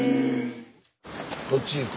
どっち行く？